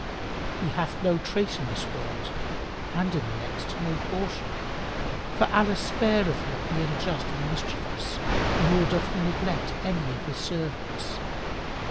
He hath no trace in this world and in the next no portion: for Allah spareth not the unjust and the mischievous, nor doth He neglect any of His servants.